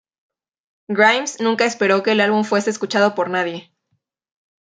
Grimes nunca esperó que el álbum fuese escuchado por nadie.